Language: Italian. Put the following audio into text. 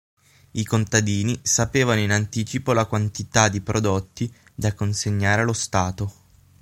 I contadini sapevano in anticipo la quantità di prodotti da consegnare allo stato.